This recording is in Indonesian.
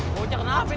bocah kenapa ini